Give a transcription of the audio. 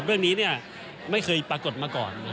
เรื่องนี้ไม่เคยปรากฏมาก่อน